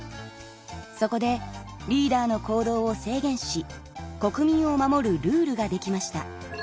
そこでリーダーの行動を制限し国民を守るルールができました。